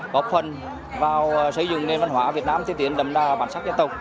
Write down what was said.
bọc phân vào xây dựng nền văn hóa việt nam tiêu tiến đầm đa bản sắc gia tộc